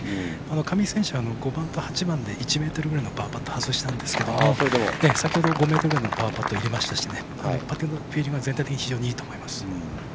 上井選手、５番と８番で１ｍぐらいのパーパット外したんですけど先ほど５ｍくらいのパーパットを入れましたしパッティングは全体的に非常にいいと思います。